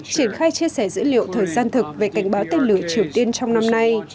triển khai chia sẻ dữ liệu thời gian thực về cảnh báo tên lửa triều tiên trong năm nay